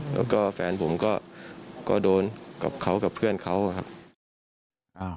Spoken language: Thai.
แล้วก็แฟนผมก็โดนกับเขากับเพื่อนเขาครับ